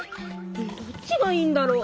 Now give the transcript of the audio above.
どっちがいいんだろ？